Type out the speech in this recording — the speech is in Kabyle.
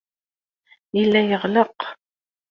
Yella yeɣleq.